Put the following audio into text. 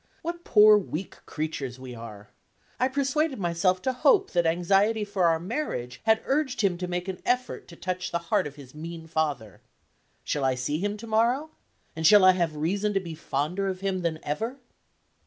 What poor weak creatures we are! I persuaded myself to hope that anxiety for our marriage had urged him to make an effort to touch the heart of his mean father. Shall I see him to morrow? And shall I have reason to be fonder of him than ever?